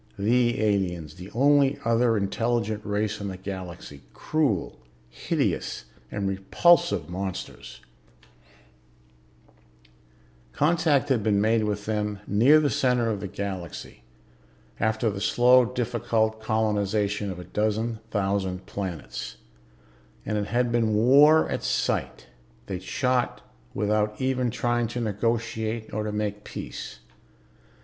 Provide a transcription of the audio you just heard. The aliens, the only other intelligent race in the Galaxy ... cruel, hideous and repulsive monsters. Contact had been made with them near the center of the Galaxy, after the slow, difficult colonization of a dozen thousand planets; and it had been war at sight; they'd shot without even trying to negotiate, or to make peace.